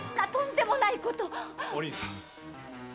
お凛さん。